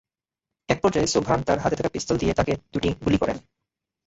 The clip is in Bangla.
একপর্যায়ে সুবহান তাঁর হাতে থাকা পিস্তল দিয়ে তাঁকে দুটি গুলি করেন।